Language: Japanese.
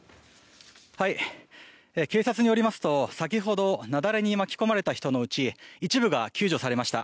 警察によりますと、先ほど雪崩に巻き込まれた人のうち一部が救助されました。